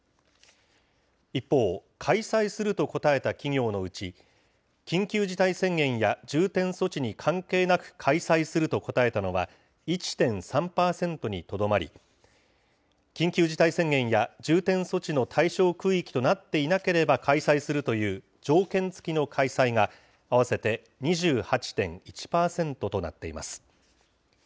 一方、開催すると答えた企業のうち、緊急事態宣言や重点措置に関係なく開催すると答えたのは、１．３％にとどまり、緊急事態宣言や重点措置の対象区域となっていなければ開催するという条件付きの開催が、合わせて２８．１％となっています。